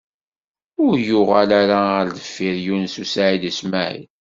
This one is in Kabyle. Ur yuɣal ara ɣer deffir Yunes u Saɛid u Smaɛil.